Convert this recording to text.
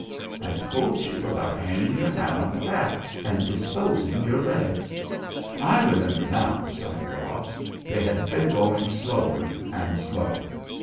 "I told you about hanging your hat on the rack and disposing your legs." "I remember now," sighed Ross. They had been going slower and slower.